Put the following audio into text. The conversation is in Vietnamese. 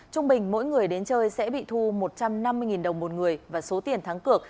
trung bình mỗi người đến chơi sẽ bị thu một trăm năm mươi đồng một người và số tiền thắng cược